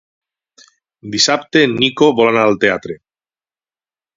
Dissabte en Nico vol anar al teatre.